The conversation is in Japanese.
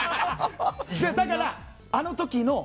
だから、あの時の。